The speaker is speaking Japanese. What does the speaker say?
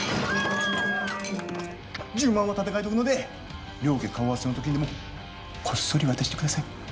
１０万は立て替えておくので両家顔合わせのときにこっそり渡してください。